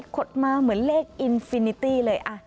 ดมาเหมือนเลขอินฟินิตี้เลย